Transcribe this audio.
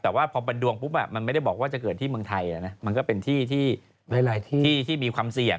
แต่ว่าพอปลายดวงปุ๊บไม่ได้บอกว่าจะเกิดที่เมืองไทยแล้วนะมันก็เป็นที่ที่มีความเสี่ยง